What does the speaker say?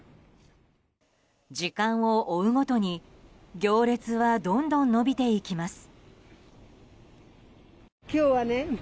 時間を追うごとに、行列はどんどん延びていきます。